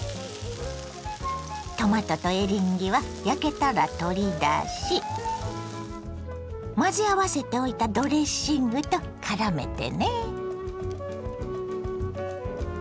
トマトとエリンギは焼けたら取り出し混ぜ合わせておいたドレッシングとからめてね。